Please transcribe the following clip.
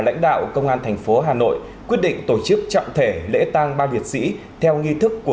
lãnh đạo công an thành phố hà nội quyết định tổ chức trọng thể lễ tang ba liệt sĩ theo nghi thức của